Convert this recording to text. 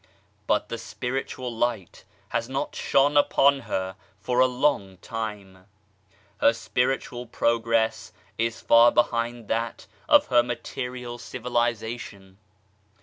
But the spiritual Light has not shone upon her for a long time : her spiritual progress is far behind that of her material civilization.